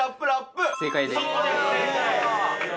正解です